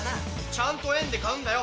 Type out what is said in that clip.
ちゃんと「円」で買うんだよ。